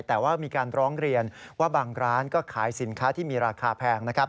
แต่ว่ามีการร้องเรียนว่าบางร้านก็ขายสินค้าที่มีราคาแพงนะครับ